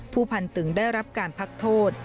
พันตึงได้รับการพักโทษ